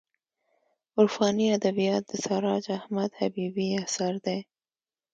عرفاني ادبیات د سراج احمد حبیبي اثر دی.